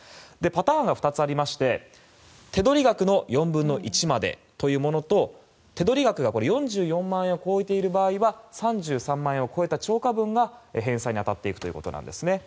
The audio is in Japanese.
パターンが２つありまして手取り額の４分の１までというものと手取り額が４４万円を超えている場合は３３万円を超えた超過分が返済に当たっていくということなんですね。